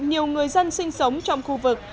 nhiều người dân sinh sống trong khu vực